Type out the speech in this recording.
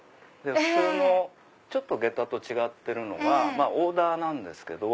普通の下駄と違ってるのがまぁオーダーなんですけど。